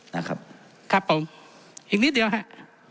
นะครับครับผมอีกนิดเดียวครับ